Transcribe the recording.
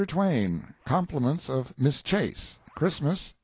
Twain—compliments of Miss Chase—Christmas, 1863."